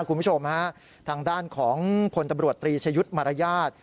คุณผู้ชมฮะทางด้านของพลตำรวจตรีชยุทธ์มารยาท